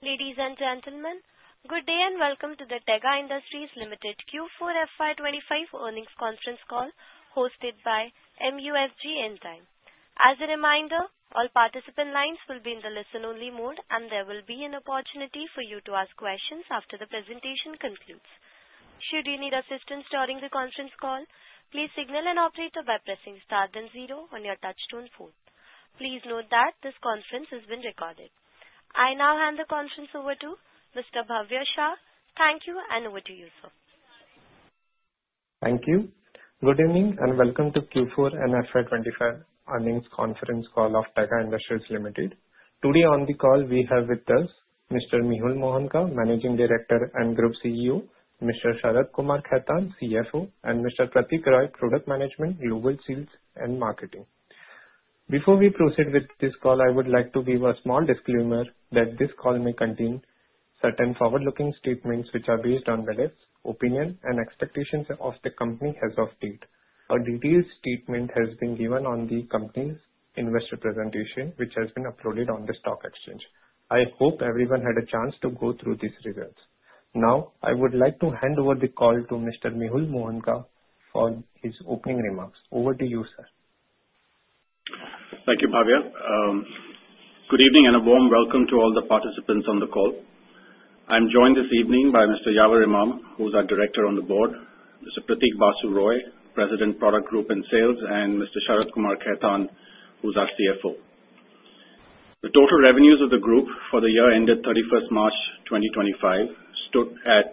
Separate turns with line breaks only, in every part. Ladies and gentlemen, good day and welcome to the Tega Industries Limited Q4 FY25 Earnings Conference Call hosted by MUSG Enzy. As a reminder, all participant lines will be in the listen-only mode, and there will be an opportunity for you to ask questions after the presentation concludes. Should you need assistance during the conference call, please signal an operator by pressing star then zero on your touch-tone phone. Please note that this conference has been recorded. I now hand the conference over to Mr. Bhavya Shah. Thank you, and over to you, sir.
Thank you. Good evening and welcome to Q4 and FY25 earnings conference call of Tega Industries Limited. Today on the call, we have with us Mr. Mehul Mohanka, Managing Director and Group CEO, Mr. Sharad Kumar Khaitan, CFO, and Mr. Pratik Basu Roy, President, Product Group and Sales. Before we proceed with this call, I would like to give a small disclaimer that this call may contain certain forward-looking statements which are based on the latest opinion and expectations of the company as of the date. A detailed statement has been given on the company's investor presentation, which has been uploaded on the stock exchange. I hope everyone had a chance to go through these results. Now, I would like to hand over the call to Mr. Mehul Mohanka for his opening remarks. Over to you, sir.
Thank you, Bhavya. Good evening and a warm welcome to all the participants on the call. I'm joined this evening by Mr. Yaver Imam, who's our Director on the Board, Mr. Pratik Basu Roy, President, Product Group and Sales, and Mr. Sharad Kumar Khaitan, who's our CFO. The total revenues of the group for the year ended 31st March 2025 stood at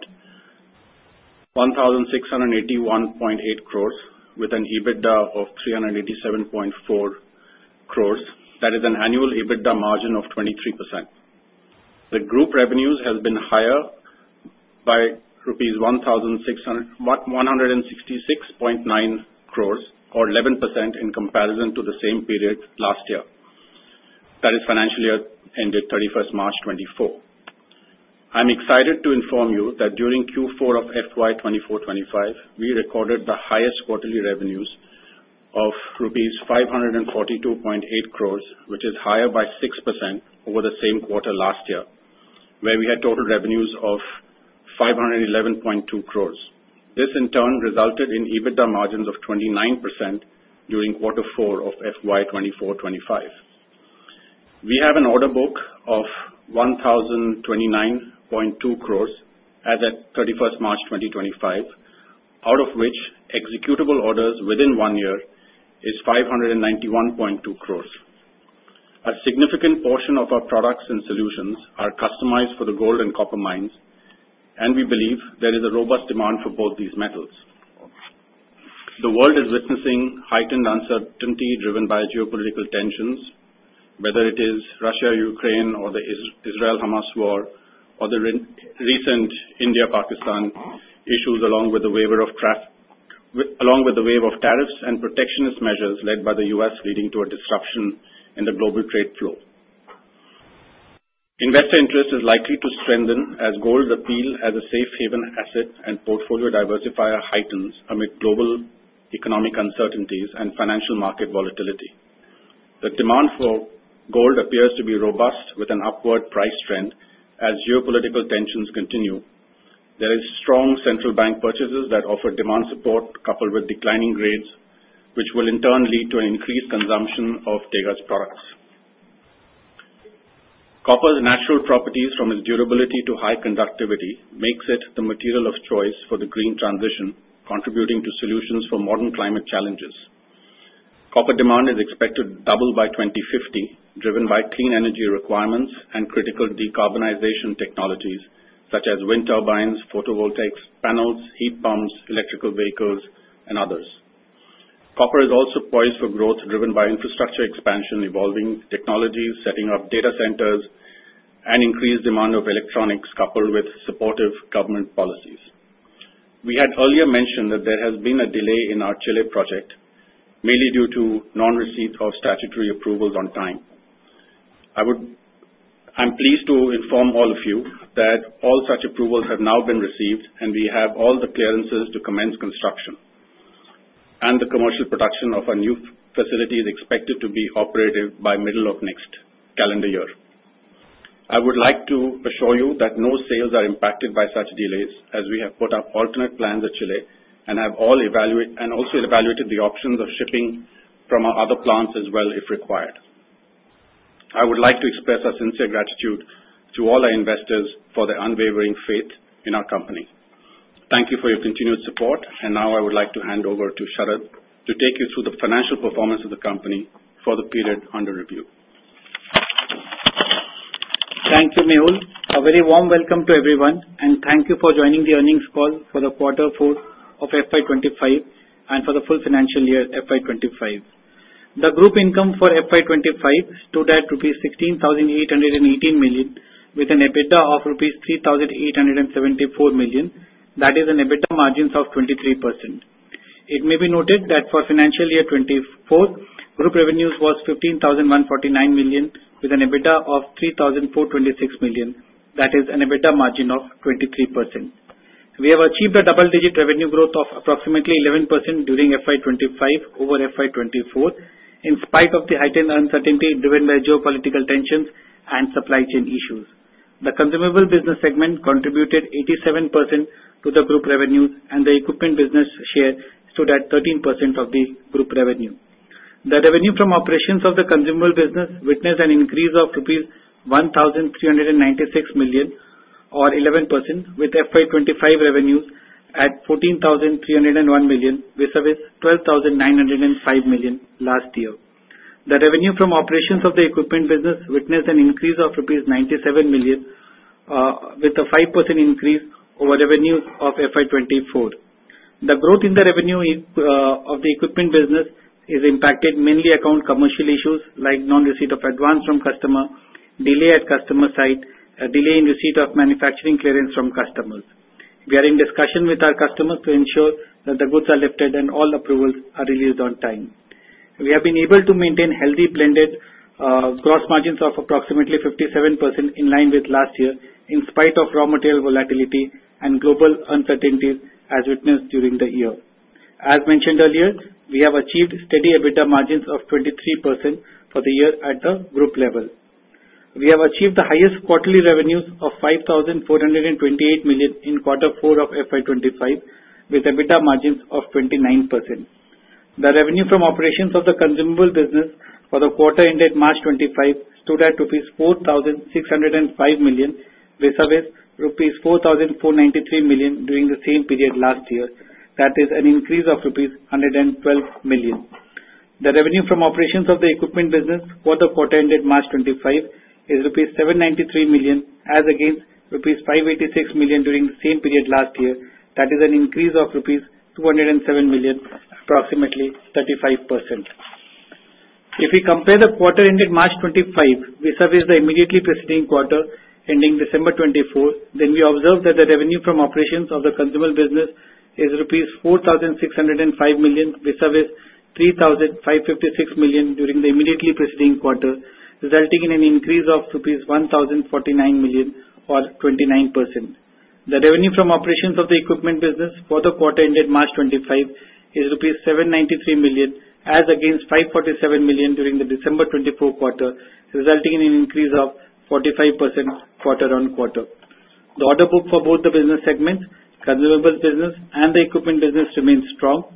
1,681.8 crores, with an EBITDA of 387.4 crores. That is an annual EBITDA margin of 23%. The group revenues have been higher by rupees 166.9 crores, or 11% in comparison to the same period last year. That is financial year ended 31st March 2024. I'm excited to inform you that during Q4 of FY24/25, we recorded the highest quarterly revenues of rupees 542.8 crores, which is higher by 6% over the same quarter last year, where we had total revenues of 511.2 crores. This, in turn, resulted in EBITDA margins of 29% during Q4 of FY24/25. We have an order book of 1,029.2 crores as of 31st March 2025, out of which executable orders within one year is 591.2 crores. A significant portion of our products and solutions are customized for the gold and copper mines, and we believe there is a robust demand for both these metals. The world is witnessing heightened uncertainty driven by geopolitical tensions, whether it is Russia-Ukraine or the Israel-Hamas war, or the recent India-Pakistan issues, along with the wave of tariffs and protectionist measures led by the U.S., leading to a disruption in the global trade flow. Investor interest is likely to strengthen as gold's appeal as a safe-haven asset and portfolio diversifier heightens amid global economic uncertainties and financial market volatility. The demand for gold appears to be robust with an upward price trend as geopolitical tensions continue. There are strong central bank purchases that offer demand support, coupled with declining grades, which will in turn lead to an increased consumption of Tega's products. Copper's natural properties, from its durability to high conductivity, make it the material of choice for the green transition, contributing to solutions for modern climate challenges. Copper demand is expected to double by 2050, driven by clean energy requirements and critical decarbonization technologies such as wind turbines, photovoltaics, panels, heat pumps, electrical vehicles, and others. Copper is also poised for growth, driven by infrastructure expansion, evolving technologies, setting up data centers, and increased demand of electronics, coupled with supportive government policies. We had earlier mentioned that there has been a delay in our Chile project, mainly due to non-receipt of statutory approvals on time. I'm pleased to inform all of you that all such approvals have now been received, and we have all the clearances to commence construction, and the commercial production of our new facility is expected to be operative by middle of next calendar year. I would like to assure you that no sales are impacted by such delays, as we have put up alternate plans at Chile and have also evaluated the options of shipping from our other plants as well, if required. I would like to express our sincere gratitude to all our investors for their unwavering faith in our company. Thank you for your continued support, and now I would like to hand over to Sharad to take you through the financial performance of the company for the period under review.
Thank you, Mehul. A very warm welcome to everyone, and thank you for joining the earnings call for the Q4 of FY25 and for the full financial year FY25. The group income for FY25 stood at 16,818 million, with an EBITDA of 3,874 million rupees. That is an EBITDA margin of 23%. It may be noted that for financial year '24, group revenues were 15,149 million, with an EBITDA of 3,426 million. That is an EBITDA margin of 23%. We have achieved a double-digit revenue growth of approximately 11% during FY25 over FY24, in spite of the heightened uncertainty driven by geopolitical tensions and supply chain issues. The consumable business segment contributed 87% to the group revenues, and the equipment business share stood at 13% of the group revenue. The revenue from operations of the consumable business witnessed an increase of rupees 1,396 million, or 11%, with FY25 revenues at 14,301 million, which was 12,905 million last year. The revenue from operations of the equipment business witnessed an increase of rupees 97 million, with a 5% increase over revenues of FY24. The growth in the revenue of the equipment business is impacted mainly around commercial issues like non-receipt of advance from customers, delay at customer site, and delay in receipt of manufacturing clearance from customers. We are in discussion with our customers to ensure that the goods are lifted and all approvals are released on time. We have been able to maintain healthy blended gross margins of approximately 57% in line with last year, in spite of raw material volatility and global uncertainties as witnessed during the year. As mentioned earlier, we have achieved steady EBITDA margins of 23% for the year at the group level. We have achieved the highest quarterly revenues of 5,428 million in Q4 of FY25, with EBITDA margins of 29%. The revenue from operations of the consumable business for the quarter ended March 2025 stood at 4,605 million rupees, which was 4,493 million rupees during the same period last year. That is an increase of 112 million rupees. The revenue from operations of the equipment business for the quarter ended March 2025 is rupees 793 million, as against rupees 586 million during the same period last year. That is an increase of rupees 207 million, approximately 35%. If we compare the quarter ended March 2025, which was the immediately preceding quarter ending December 2024, then we observe that the revenue from operations of the consumable business is rupees 4,605 million, which was 3,556 million during the immediately preceding quarter, resulting in an increase of rupees 1,049 million, or 29%. The revenue from operations of the equipment business for the quarter ended March 2025 is rupees 793 million, as against 547 million during the December 2024 quarter, resulting in an increase of 45% quarter on quarter. The order book for both the business segments, consumables business and the equipment business, remains strong.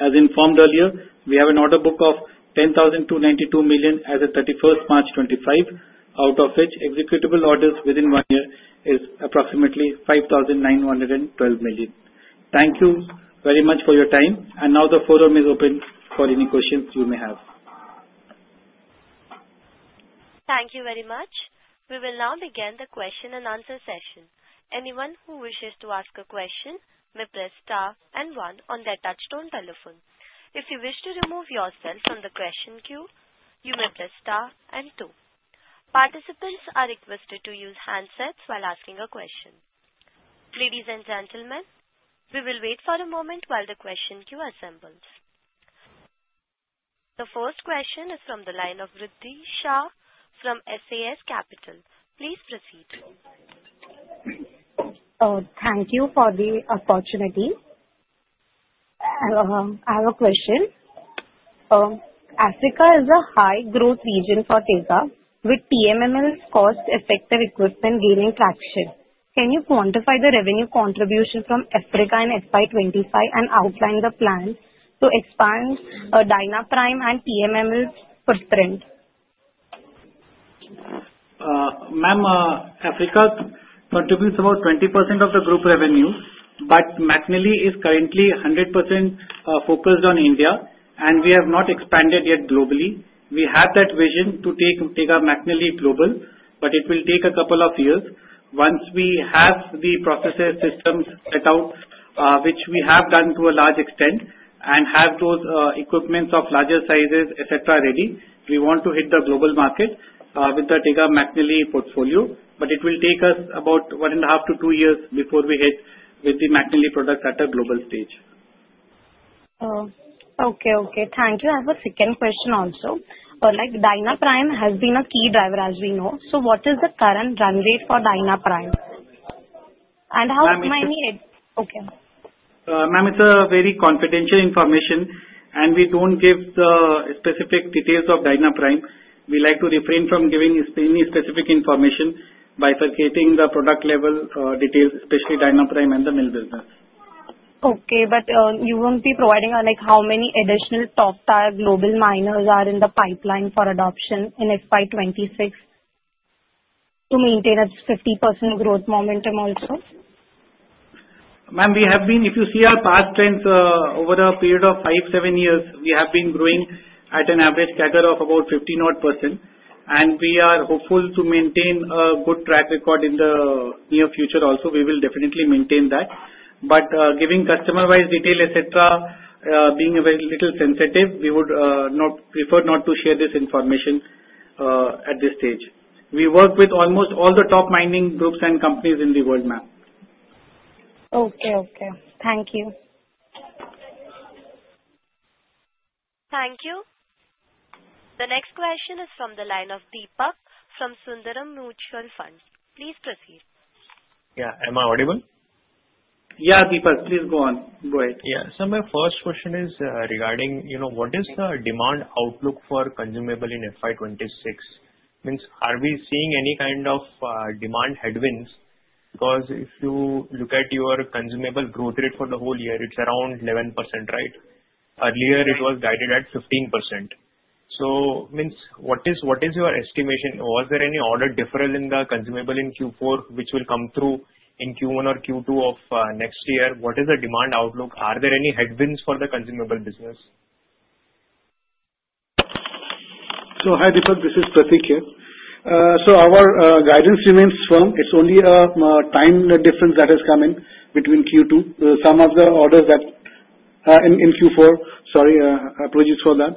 As informed earlier, we have an order book of 10,292 million as of 31st March 2025, out of which executable orders within one year is approximately 5,912 million. Thank you very much for your time, and now the forum is open for any questions you may have.
Thank you very much. We will now begin the question and answer session. Anyone who wishes to ask a question may press star and one on their touch-tone telephone. If you wish to remove yourself from the question queue, you may press star and two. Participants are requested to use handsets while asking a question. Ladies and gentlemen, we will wait for a moment while the question queue assembles. The first question is from the line of Riddhi Shah from SAS Capital. Please proceed.
Thank you for the opportunity. I have a question. Africa is a high-growth region for Tega, with TMML's cost-effective equipment gaining traction. Can you quantify the revenue contribution from Africa in FY25 and outline the plan to expand DynaPrime and TMML's footprint?
Ma'am, Africa contributes about 20% of the group revenue, but McNally is currently 100% focused on India, and we have not expanded yet globally. We have that vision to take Tega McNally global, but it will take a couple of years. Once we have the processes systems set out, which we have done to a large extent, and have those equipments of larger sizes, etc., ready, we want to hit the global market with the Tega McNally portfolio, but it will take us about one and a half to two years before we hit with the McNally product at a global stage.
Okay, okay. Thank you. I have a second question also. DynaPrime has been a key driver, as we know. So what is the current run rate for DynaPrime? And how many?
Ma'am, it's.
Okay.
Ma'am, it's very confidential information, and we don't give the specific details of DynaPrime. We like to refrain from giving any specific information by forgetting the product level details, especially DynaPrime and the mill business.
Okay, but you won't be providing how many additional top-tier global miners are in the pipeline for adoption in FY26 to maintain a 50% growth momentum also?
Ma'am, we have been, if you see our past trends over a period of five, seven years, we have been growing at an average CAGR of about 50%, and we are hopeful to maintain a good track record in the near future also. We will definitely maintain that. But giving customer-wise detail, etc., being a little sensitive, we would prefer not to share this information at this stage. We work with almost all the top mining groups and companies in the world, ma'am.
Okay, okay. Thank you. Thank you.
The next question is from the line of Deepak from Sundaram Mutual Fund. Please proceed.
Yeah. Am I audible?
Yeah, Deepak, please go on. Go ahead.
Yeah. So my first question is regarding what is the demand outlook for consumables in FY26? I mean, are we seeing any kind of demand headwinds? Because if you look at your consumable growth rate for the whole year, it's around 11%, right? Earlier, it was guided at 15%. So what is your estimation? Was there any order difference in the consumables in Q4, which will come through in Q1 or Q2 of next year? What is the demand outlook? Are there any headwinds for the consumable business?
So, hi Deepak, this is Pratik here. So our guidance remains firm. It's only a time difference that has come in between Q2. Some of the orders that in Q4, sorry, apologies for that,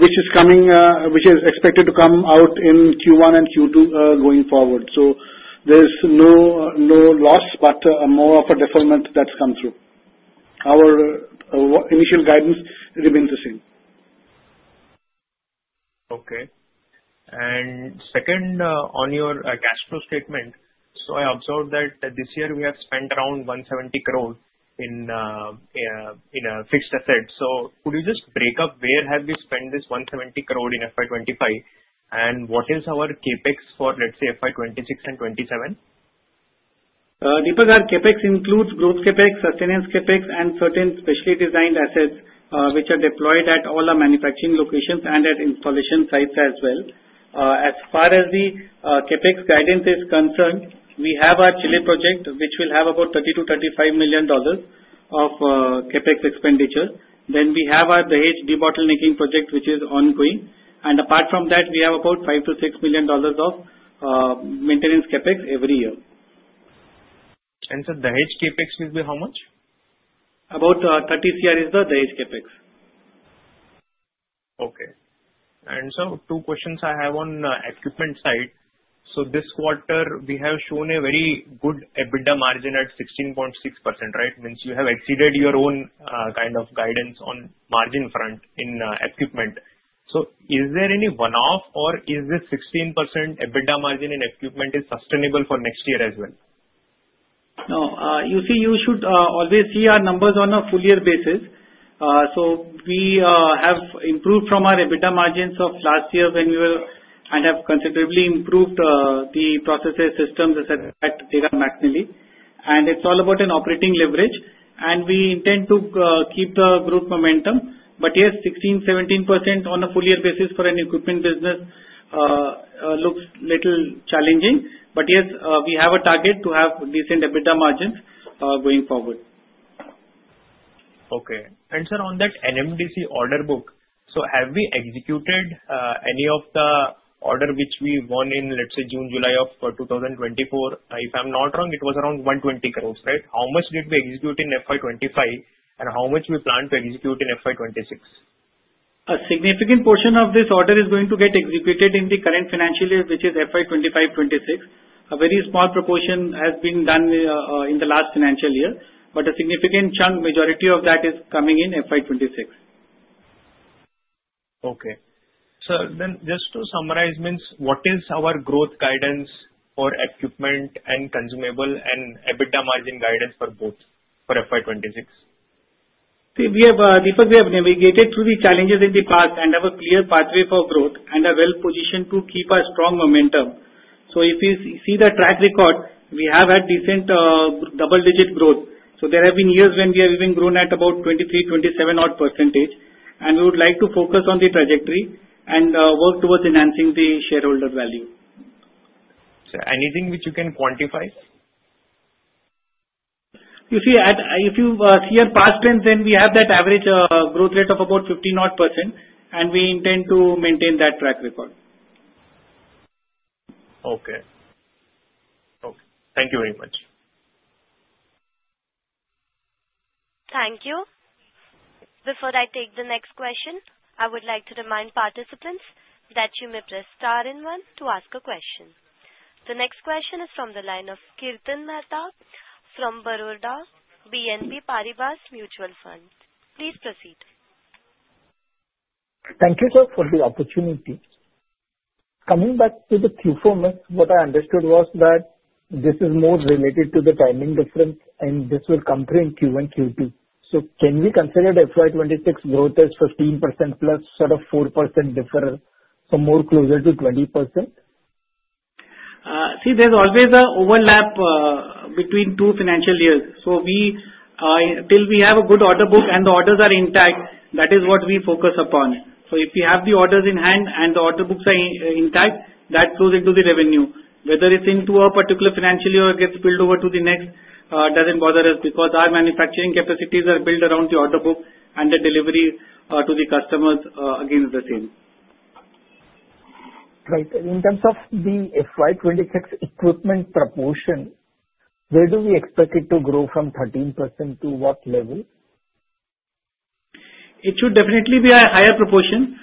which is expected to come out in Q1 and Q2 going forward. So there's no loss, but more of a deferment that's come through. Our initial guidance remains the same.
Okay. And second, on your cash flow statement, so I observed that this year we have spent around 170 crore in fixed assets. So could you just break up where have we spent this 170 crore in FY25, and what is our CapEx for, let's say, FY26 and 2027?
Deepak, our CapEx includes growth CapEx, sustenance CapEx, and certain specially designed assets, which are deployed at all our manufacturing locations and at installation sites as well. As far as the CapEx guidance is concerned, we have our Chile project, which will have about $30-$35 million of CapEx expenditure. Then we have our Dahej de-bottlenecking project, which is ongoing, and apart from that, we have about $5-$6 million of maintenance CapEx every year.
And so Dahej CapEx will be how much?
About 30 CR is the Dahej CapEx.
Okay. And so two questions I have on equipment side. So this quarter, we have shown a very good EBITDA margin at 16.6%, right? Means, you have exceeded your own kind of guidance on margin front in equipment. So is there any one-off, or is this 16% EBITDA margin in equipment sustainable for next year as well?
No. You see, you should always see our numbers on a full-year basis. So we have improved from our EBITDA margins of last year when we were and have considerably improved the processes, systems, etc., at Tega McNally. And it's all about an operating leverage, and we intend to keep the group momentum. But yes, 16%-17% on a full-year basis for an equipment business looks a little challenging. But yes, we have a target to have decent EBITDA margins going forward.
Okay. And sir, on that NMDC order book, so have we executed any of the order which we won in, let's say, June, July of 2024? If I'm not wrong, it was around 120 crore, right? How much did we execute in FY25, and how much do we plan to execute in FY26?
A significant portion of this order is going to get executed in the current financial year, which is FY25-26. A very small proportion has been done in the last financial year, but a significant chunk, majority of that, is coming in FY26.
Okay. So then, just to summarize, what is our growth guidance for equipment and consumables and EBITDA margin guidance for both for FY26?
See, Deepak, we have navigated through the challenges in the past and have a clear pathway for growth and are well-positioned to keep a strong momentum. So if you see the track record, we have had decent double-digit growth. So there have been years when we have even grown at about 23%-27% odd, and we would like to focus on the trajectory and work towards enhancing the shareholder value.
So anything which you can quantify?
You see, if you see our past trends, then we have that average growth rate of about 15-odd%, and we intend to maintain that track record.
Okay. Okay. Thank you very much.
Thank you. Before I take the next question, I would like to remind participants that you may press star and one to ask a question. The next question is from the line of Kirtan Mehta from Baroda BNP Paribas Mutual Fund. Please proceed.
Thank you, sir, for the opportunity. Coming back to the Q4, ma'am, what I understood was that this is more related to the timing difference, and this will come through in Q1, Q2. So can we consider FY26 growth as 15% plus sort of 4% difference, so more closer to 20%?
See, there's always an overlap between two financial years. So until we have a good order book and the orders are intact, that is what we focus upon. So if we have the orders in hand and the order books are intact, that flows into the revenue. Whether it's into a particular financial year or gets spilled over to the next doesn't bother us because our manufacturing capacities are built around the order book, and the delivery to the customers again is the same.
Right. In terms of the FY26 equipment proportion, where do we expect it to grow from 13% to what level?
It should definitely be a higher proportion.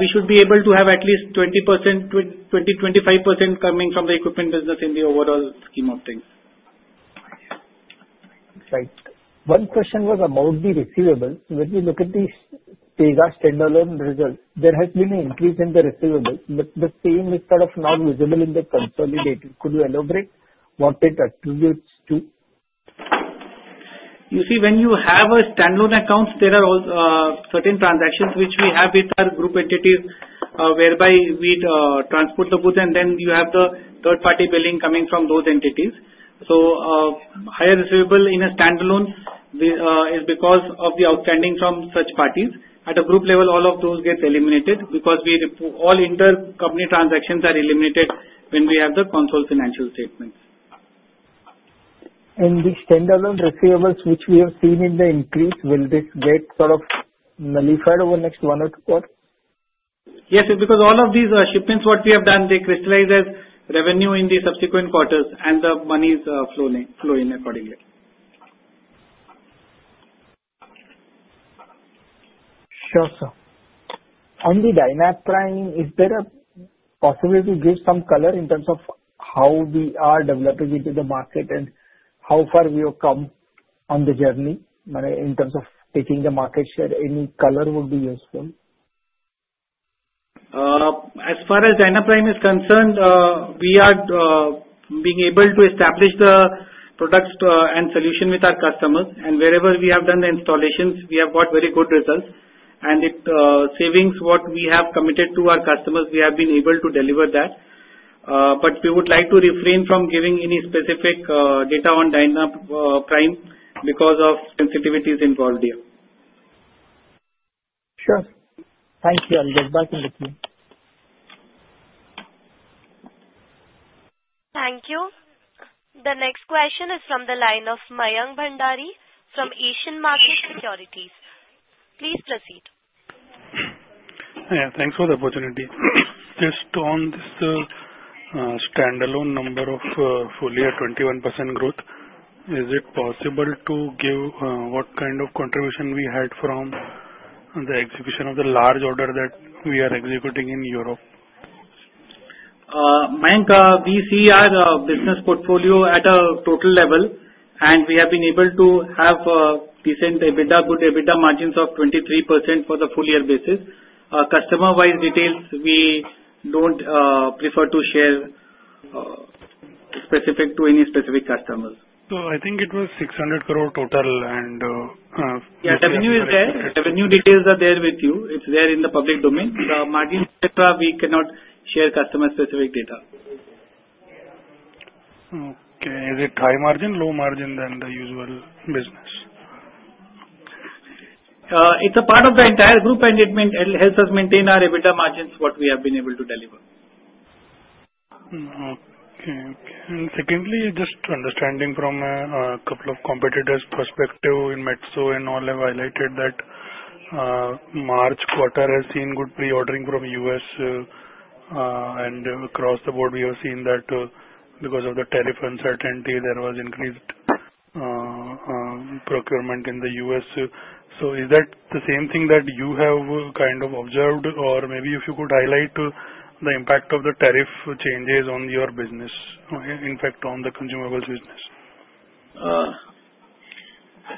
We should be able to have at least 20%, 20, 25% coming from the equipment business in the overall scheme of things.
Right. One question was about the receivables. When we look at the Tega standalone results, there has been an increase in the receivables, but the same is sort of not visible in the consolidated. Could you elaborate what it attributes to?
You see, when you have standalone accounts, there are certain transactions which we have with our group entities whereby we transport the booth, and then you have the third-party billing coming from those entities. So higher receivable in a standalone is because of the outstanding from such parties. At a group level, all of those get eliminated because all intercompany transactions are eliminated when we have the consolidated financial statements.
The standalone receivables which we have seen in the increase, will this get sort of nullified over the next one or two quarters?
Yes, because all of these shipments, what we have done, they crystallize as revenue in the subsequent quarters, and the money is flowing accordingly.
Sure, sir. On the DynaPrime, is there a possibility to give some color in terms of how we are developing into the market and how far we have come on the journey, in terms of taking the market share? Any color would be useful?
As far as DynaPrime is concerned, we are being able to establish the products and solution with our customers. And wherever we have done the installations, we have got very good results. And the savings what we have committed to our customers, we have been able to deliver that. But we would like to refrain from giving any specific data on DynaPrime because of sensitivities involved here.
Sure. Thank you. I'll get back in with you.
Thank you. The next question is from the line of Mayank Bhandari from Asian Market Securities. Please proceed.
Yeah. Thanks for the opportunity. Just on this standalone number of full-year 21% growth, is it possible to give what kind of contribution we had from the execution of the large order that we are executing in Europe?
Mayank, we see our business portfolio at a total level, and we have been able to have decent EBITDA, good EBITDA margins of 23% for the full-year basis. Customer-wise details, we don't prefer to share specific to any specific customers.
So I think it was 600 crore total, and.
Yeah. Revenue is there. Revenue details are there with you. It's there in the public domain. The margins, etc., we cannot share customer-specific data.
Okay. Is it high margin, low margin than the usual business?
It's a part of the entire group, and it helps us maintain our EBITDA margins, what we have been able to deliver.
Okay. Okay. And secondly, just understanding from a couple of competitors' perspective, in Metso and all have highlighted that March quarter has seen good pre-ordering from US, and across the board, we have seen that because of the tariff uncertainty, there was increased procurement in the US. So is that the same thing that you have kind of observed, or maybe if you could highlight the impact of the tariff changes on your business, impact on the consumables business?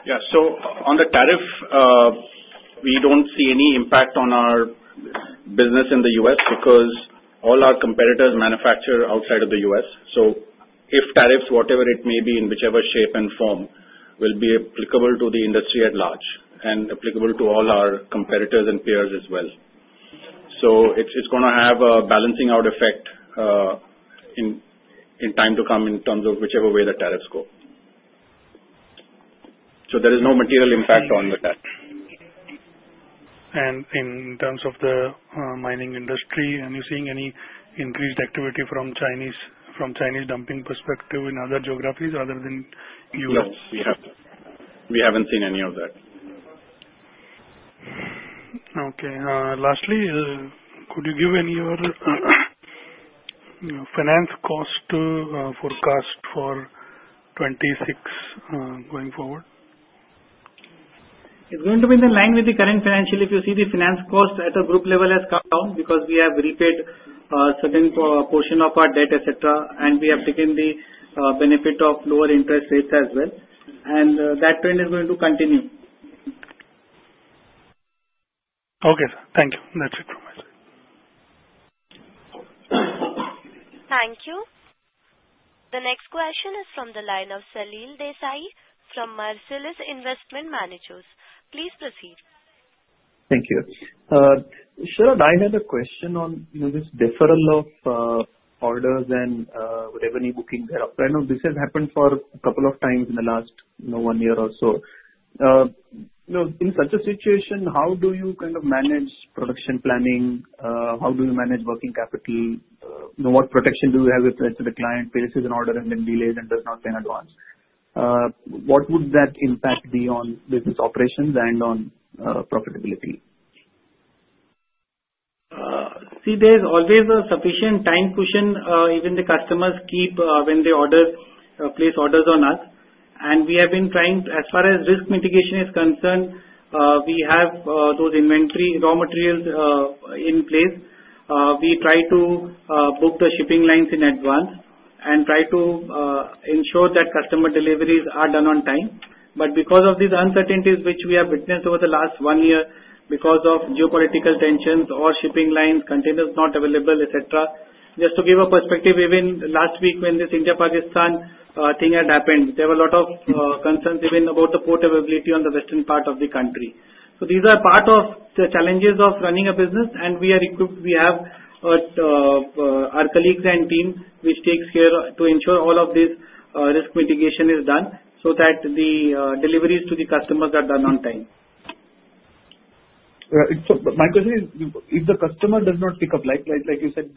Yeah. So on the tariff, we don't see any impact on our business in the U.S. because all our competitors manufacture outside of the U.S. So if tariffs, whatever it may be in whichever shape and form, will be applicable to the industry at large and applicable to all our competitors and peers as well. So it's going to have a balancing-out effect in time to come in terms of whichever way the tariffs go. So there is no material impact on the tariff.
In terms of the mining industry, are you seeing any increased activity from Chinese dumping perspective in other geographies other than U.S.?
No. We haven't seen any of that.
Okay. Lastly, could you give any other finance cost forecast for 2026 going forward?
It's going to be in line with the current financials. If you see the finance cost at a group level has come down because we have repaid a certain portion of our debt, etc., and we have taken the benefit of lower interest rates as well, and that trend is going to continue.
Okay, sir. Thank you. That's it from my side.
Thank you. The next question is from the line of Salil Desai from Marcellus Investment Managers. Please proceed.
Thank you. Sir, I have a question on this deferral of orders and whatever new booking there are. I know this has happened for a couple of times in the last one year or so. In such a situation, how do you kind of manage production planning? How do you manage working capital? What protection do you have if the client places an order and then delays and does not pay in advance? What would that impact be on business operations and on profitability?
See, there's always a sufficient time cushion, even the customers keep when they place orders on us, and we have been trying, as far as risk mitigation is concerned, we have those inventory raw materials in place. We try to book the shipping lines in advance and try to ensure that customer deliveries are done on time, but because of these uncertainties which we have witnessed over the last one year, because of geopolitical tensions or shipping lines, containers not available, etc., just to give a perspective, even last week when this India-Pakistan thing had happened, there were a lot of concerns even about the port availability on the western part of the country. So these are part of the challenges of running a business, and we have our colleagues and team which takes care to ensure all of this risk mitigation is done so that the deliveries to the customers are done on time.
My question is, if the customer does not pick up, like you said,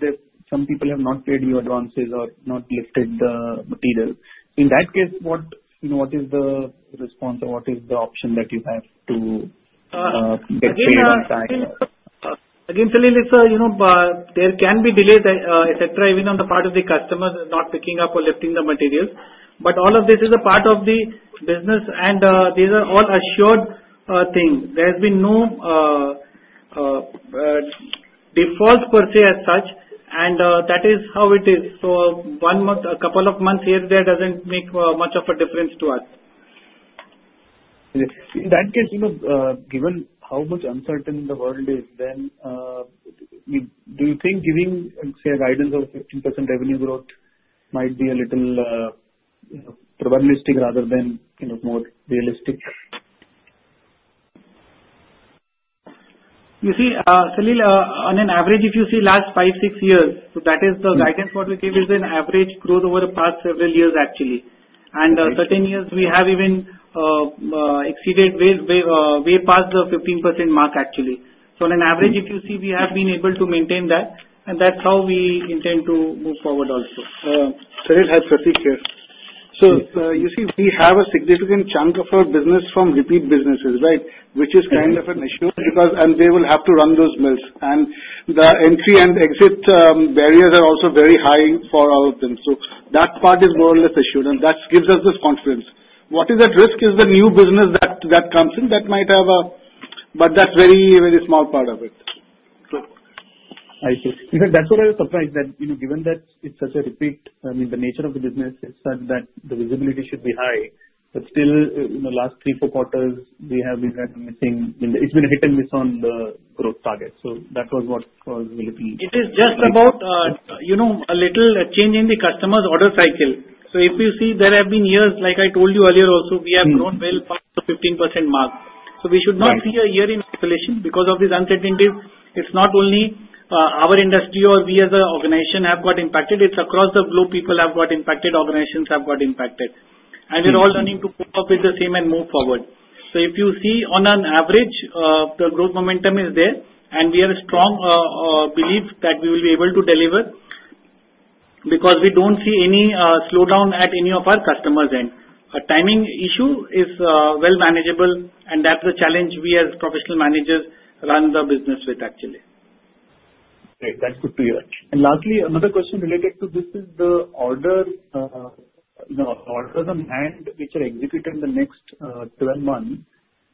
some people have not paid you advances or not lifted the material, in that case, what is the response or what is the option that you have to get paid on time?
Again, Salil, sir, there can be delays, etc., even on the part of the customers not picking up or lifting the materials. But all of this is a part of the business, and these are all assured things. There has been no default per se as such, and that is how it is. So a couple of months here and there doesn't make much of a difference to us.
In that case, given how much uncertain the world is, then do you think giving, say, a guidance of 15% revenue growth might be a little probabilistic rather than more realistic?
You see, Salil, on an average, if you see last five, six years, so that is the guidance what we give is an average growth over the past several years, actually, and certain years, we have even exceeded, way past the 15% mark, actually, so on an average, if you see, we have been able to maintain that, and that's how we intend to move forward also.
Salil, I have to say here. You see, we have a significant chunk of our business from repeat businesses, right, which is kind of assured because they will have to run those mills. The entry and exit barriers are also very high for all of them. That part is more or less assured, and that gives us this confidence. What is at risk is the new business that comes in that might have a, but that's a very, very small part of it. I see. In fact, that's what I was surprised that given that it's such a repeat, I mean, the nature of the business is such that the visibility should be high, but still, in the last three, four quarters, we have been missing. It's been hit and miss on the growth target. That was what was a little.
It is just about a little change in the customer's order cycle, so if you see, there have been years, like I told you earlier also, we have grown well past the 15% mark, so we should not see a year in oscillation because of these uncertainties. It's not only our industry or we as an organization have got impacted. It's across the globe. People have got impacted. Organizations have got impacted, and we're all learning to cope with the same and move forward, so if you see, on an average, the growth momentum is there, and we have a strong belief that we will be able to deliver because we don't see any slowdown at any of our customers' end. Timing issue is well manageable, and that's the challenge we as professional managers run the business with, actually.
Great. That's good to hear. And lastly, another question related to this is the orders on hand which are executed in the next 12 months.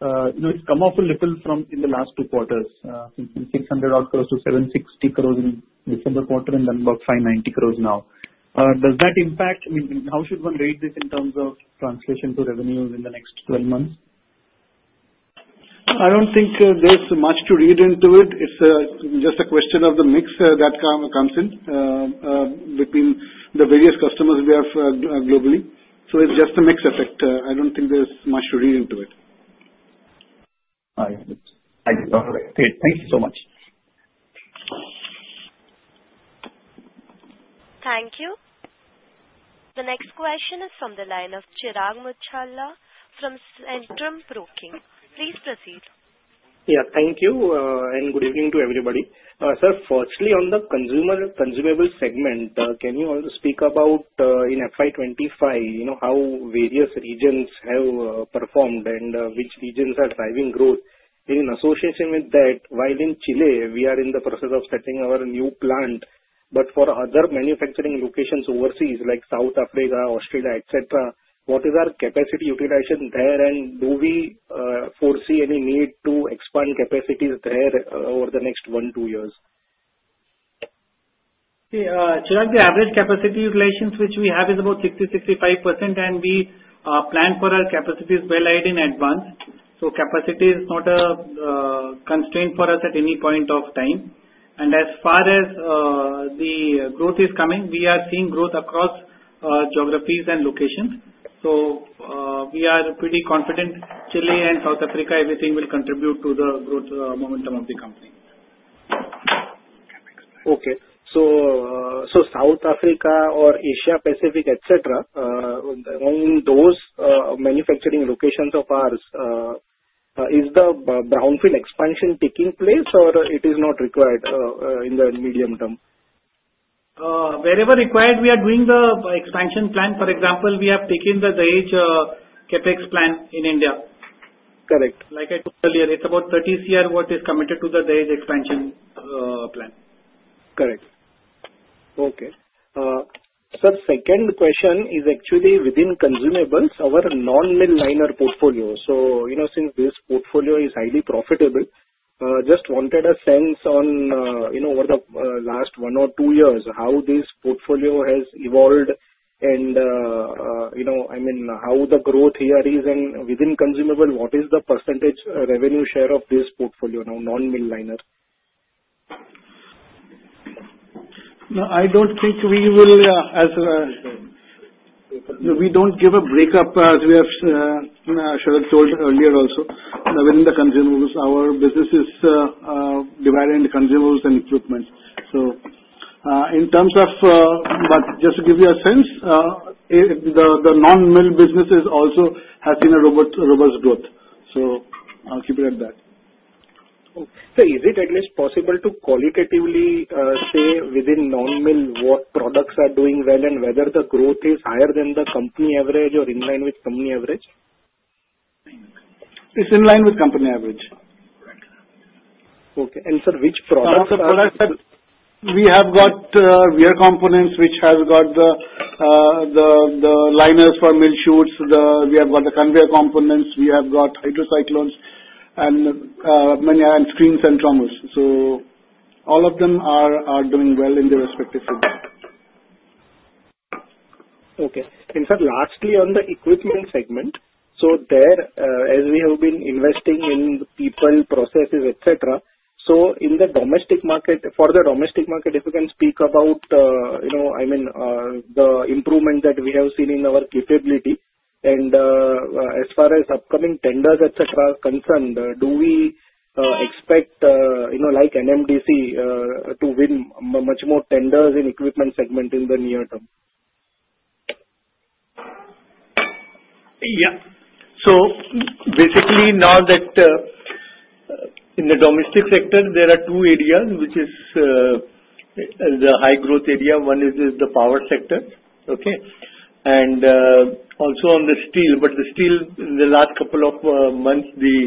It's come off a little from, in the last two quarters, 600 or close to 760 crores in December quarter and then about 590 crores now. Does that impact? I mean, how should one rate this in terms of translation to revenue in the next 12 months?
I don't think there's much to read into it. It's just a question of the mix that comes in between the various customers we have globally. So it's just a mixed effect. I don't think there's much to read into it.
I see. All right. Great. Thank you so much.
Thank you. The next question is from the line of Chirag Muchhala from Centrum Broking. Please proceed.
Yeah. Thank you. And good evening to everybody. Sir, firstly, on the consumable segment, can you also speak about in FY25 how various regions have performed and which regions are driving growth? In association with that, while in Chile, we are in the process of setting our new plant, but for other manufacturing locations overseas like South Africa, Australia, etc., what is our capacity utilization there, and do we foresee any need to expand capacities there over the next one to two years?
Chirag, the average capacity utilization which we have is about 60%-65%, and we plan for our capacities well ahead in advance. So capacity is not a constraint for us at any point of time. And as far as the growth is coming, we are seeing growth across geographies and locations. So we are pretty confident Chile and South Africa, everything will contribute to the growth momentum of the company.
Okay. So South Africa or Asia-Pacific, etc., around those manufacturing locations of ours, is the brownfield expansion taking place, or it is not required in the medium term?
Wherever required, we are doing the expansion plan. For example, we have taken the Dahej CapEx plan in India.
Correct.
Like I told earlier, it's about 30 CR what is committed to the Dahej expansion plan.
Correct. Okay. Sir, second question is actually within consumables, our non-mill liner portfolio. So since this portfolio is highly profitable, just wanted a sense on over the last one or two years, how this portfolio has evolved, and I mean, how the growth here is, and within consumable, what is the percentage revenue share of this portfolio now, non-mill liner?
No, I don't think we will, as we don't give a breakup as we have, as I told earlier also, within the consumables, our business is divided into consumables and equipment. So in terms of, but just to give you a sense, the non-mill business also has seen a robust growth. So I'll keep it at that.
Sir, is it at least possible to qualitatively say within non-mill what products are doing well and whether the growth is higher than the company average or in line with company average?
It's in line with company average.
Okay. And sir, which products are?
Some of the products that we have got wear components, which have got the liners for mill chutes. We have got the conveyor components. We have got Hydrocyclones and Screens and Trommels. So all of them are doing well in their respective segment.
Okay. And sir, lastly, on the equipment segment, so there, as we have been investing in the people, processes, etc., so in the domestic market, for the domestic market, if you can speak about, I mean, the improvement that we have seen in our capability, and as far as upcoming tenders, etc., are concerned, do we expect, like NMDC, to win much more tenders in equipment segment in the near term?
Yeah. So basically, now that in the domestic sector, there are two areas which is the high growth area. One is the power sector, okay? And also on the steel, but the steel, in the last couple of months, the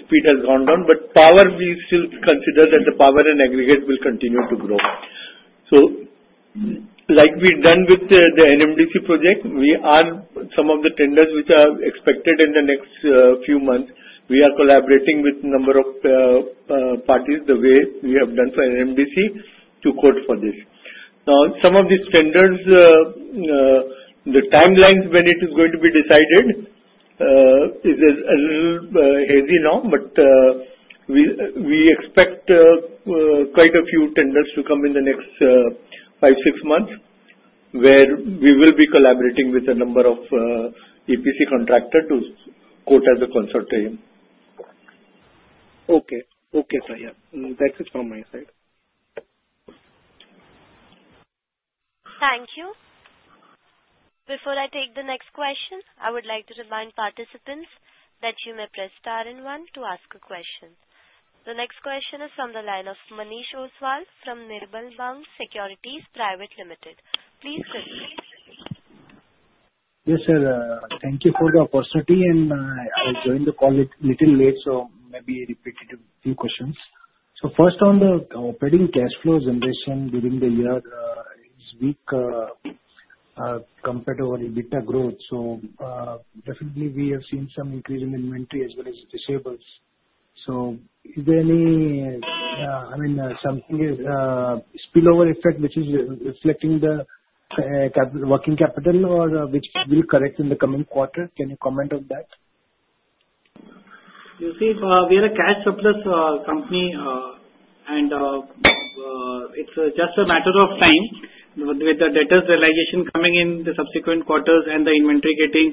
speed has gone down. But power, we still consider that the power and aggregate will continue to grow. So like we've done with the NMDC project, we are some of the tenders which are expected in the next few months, we are collaborating with a number of parties the way we have done for NMDC to quote for this. Now, some of these tenders, the timelines when it is going to be decided is a little hazy now, but we expect quite a few tenders to come in the next five, six months where we will be collaborating with a number of EPC contractors to quote as a consortium.
Okay. Okay, sir. Yeah. That's it from my side.
Thank you. Before I take the next question, I would like to remind participants that you may press star and one to ask a question. The next question is from the line of Manish Ostwal from Nirmal Bang Securities Private Limited. Please proceed.
Yes, sir. Thank you for the opportunity, and I joined the call a little late, so maybe repeated a few questions. So first, on the operating cash flow generation during the year, it's weak compared to a little bit of growth. So definitely, we have seen some increase in inventory as well as receivables. So is there any, I mean, some spillover effect which is reflecting the working capital or which will correct in the coming quarter? Can you comment on that?
You see, we are a cash surplus company, and it's just a matter of time with the debtor's realization coming in the subsequent quarters and the inventory getting,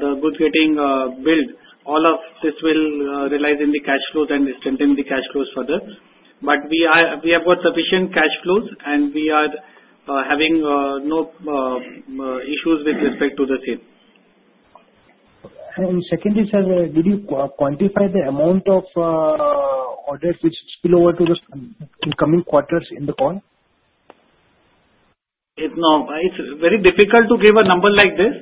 the goods getting built. All of this will realize in the cash flows and strengthen the cash flows further. But we have got sufficient cash flows, and we are having no issues with respect to the same.
Secondly, sir, did you quantify the amount of orders which spill over to the incoming quarters in the call?
No. It's very difficult to give a number like this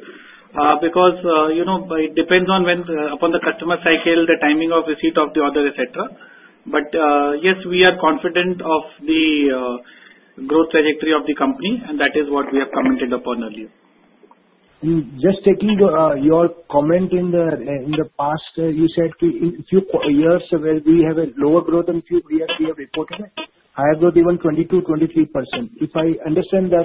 because it depends upon the customer cycle, the timing of receipt of the order, etc. But yes, we are confident of the growth trajectory of the company, and that is what we have commented upon earlier.
Just taking your comment in the past, you said a few years ago we have a lower growth in a few years. We have reported it. Higher growth, even 22%-23%. If I understand that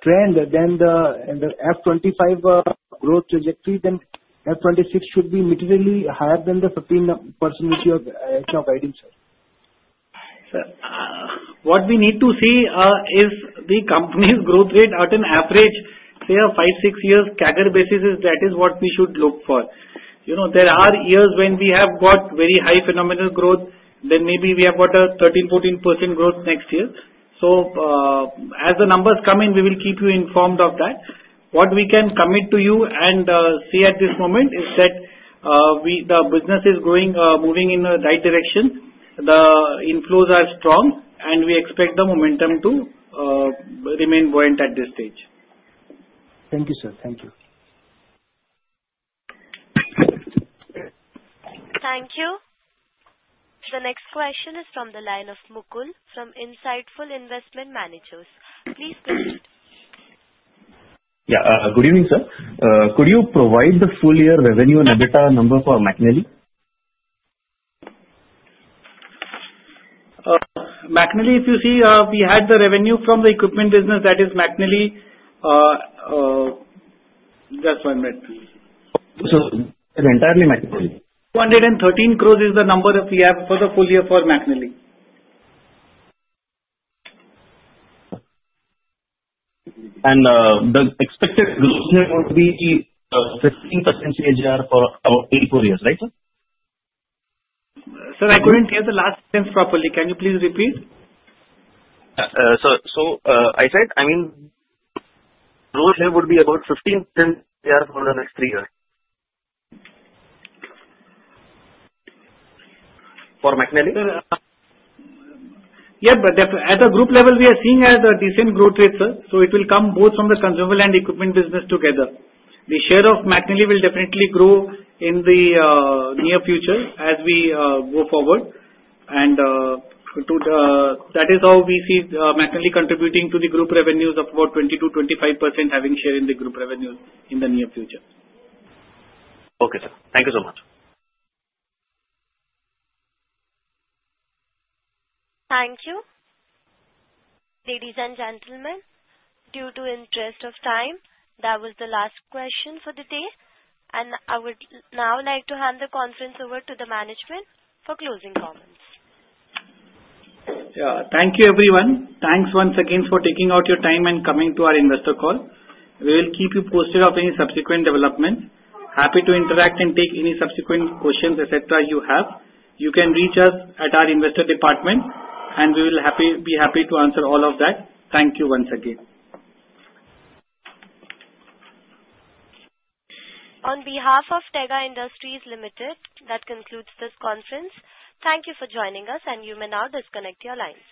trend, then the F25 growth trajectory, then F26 should be materially higher than the 15% which you have guidance, sir.
What we need to see is the company's growth rate at an average, say, a five, six years CAGR basis. That is what we should look for. There are years when we have got very high phenomenal growth, then maybe we have got a 13%-14% growth next year. So as the numbers come in, we will keep you informed of that. What we can commit to you and see at this moment is that the business is moving in the right direction. The inflows are strong, and we expect the momentum to remain buoyant at this stage.
Thank you, sir. Thank you.
Thank you. The next question is from the line of Mukul from Insightful Investment Managers. Please proceed.
Yeah. Good evening, sir. Could you provide the full year revenue and EBITDA number for McNally?
McNally, if you see, we had the revenue from the equipment business. That is McNally. Just one minute.
Entirely McNally.
213 crores is the number we have for the full year for McNally.
The expected growth here would be 15% CAGR for about three to four years, right, sir?
Sir, I couldn't hear the last sentence properly. Can you please repeat?
So I said, I mean, growth here would be about 15% CAGR for the next three years.
For McNally? Yeah, but at the group level, we are seeing a decent growth rate, sir, so it will come both from the consumable and equipment business together. The share of McNally will definitely grow in the near future as we go forward, and that is how we see McNally contributing to the group revenues of about 22%-25% having share in the group revenues in the near future.
Okay, sir. Thank you so much.
Thank you. Ladies and gentlemen, in the interest of time, that was the last question for the day. And I would now like to hand the conference over to the management for closing comments.
Yeah. Thank you, everyone. Thanks once again for taking out your time and coming to our investor call. We will keep you posted of any subsequent developments. Happy to interact and take any subsequent questions, etc. you have. You can reach us at our investor department, and we will be happy to answer all of that. Thank you once again.
On behalf of Tega Industries Limited, that concludes this conference. Thank you for joining us, and you may now disconnect your lines.